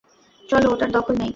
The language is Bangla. চলো, ওটার দখল নিই!